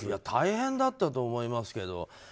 大変だったと思いますけど。